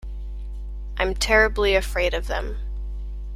I'm terribly afraid of them.